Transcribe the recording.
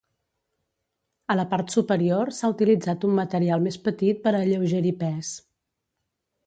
A la part superior s'ha utilitzat un material més petit per a alleugerir pes.